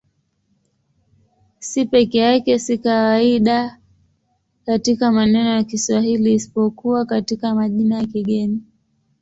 C peke yake si kawaida katika maneno ya Kiswahili isipokuwa katika majina ya kigeni.